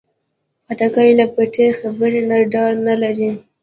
خټکی له پټې خبرې نه ډار نه لري.